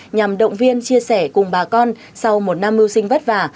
nhằm động viên chia sẻ cùng bà con sau một năm mưu sinh vất vả